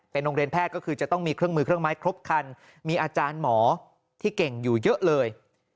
โรงเรียนแพทย์ก็คือจะต้องมีเครื่องมือเครื่องไม้ครบคันมีอาจารย์หมอที่เก่งอยู่เยอะเลย